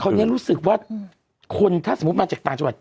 แต่เขาเนี่ยรู้สึกว่าคนถ้าสมมติมาจากต่างจังหวัด